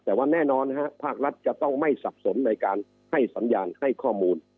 แต่ว่าแน่นอนภาครัฐจะต้องไม่สับสนในการให้สัญญาณให้ข้อมูล